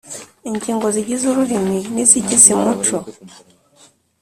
ingingo zigize ururimi n’izigize umuco